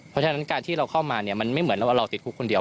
เพราะฉะนั้นการที่เราเข้ามาเนี่ยมันไม่เหมือนว่าเราติดคุกคนเดียว